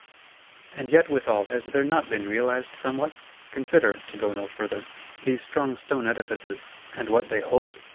And yet withal has there not been realised somewhat? Consider (to go no further) these strong Stone edifices, and what they hold!